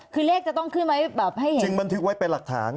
อ๋อคือเลขจะต้องขึ้นไว้แบบให้เห็น